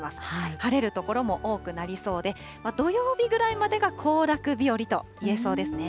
晴れる所も多くなりそうで、土曜日ぐらいまでが行楽日和と言えそうですね。